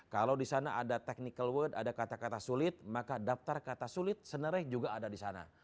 kalau di sana ada technical world ada kata kata sulit maka daftar kata sulit senere juga ada di sana